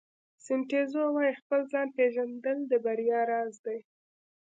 سن ټزو وایي خپل ځان پېژندل د بریا راز دی.